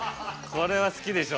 これは好きでしょ。